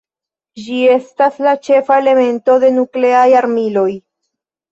Ĝi estas la ĉefa elemento de nukleaj armiloj.